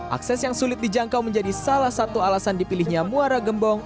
akses yang sulit dijangkau menjadi salah satu alasan dipilihnya muara gembong